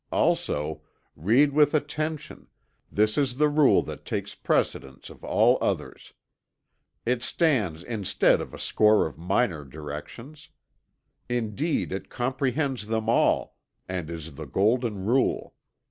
Also: "Read with attention. This is the rule that takes precedence of all others. It stands instead of a score of minor directions. Indeed it comprehends them all, and is the golden rule....